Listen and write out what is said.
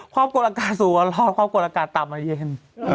ภาพกดอากาศสูงกว่ารอดภาพกดอากาศต่ำไม่เย็น